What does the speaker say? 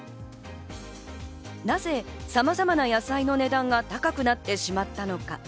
なぜ、さまざまな野菜の値段が高くなってしまったのか。